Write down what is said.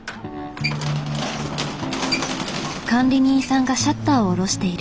管理人さんがシャッターを降ろしている。